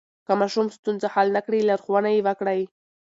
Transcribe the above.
که ماشوم ستونزه حل نه کړي، لارښوونه یې وکړئ.